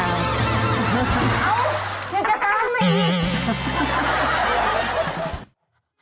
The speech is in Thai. เอ้ายังจะตามไม่อีก